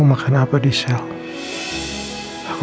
mau makan atau enggak